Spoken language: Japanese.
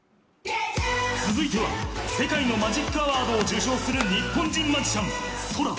続いては世界のマジックアワードを受賞する日本人マジシャンＳＯＲＡ。